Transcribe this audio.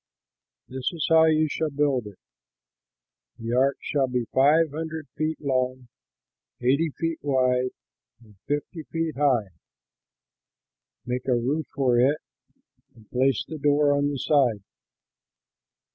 This is how you shall build it: the ark shall be five hundred feet long, eighty feet wide, and fifty feet high. Make a roof for it and place the door on the side.